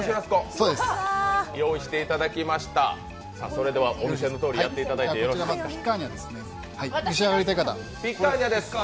それではお店のとおりやっていただいてよろしいですか。